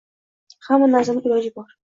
Hamma narsaning iloji bor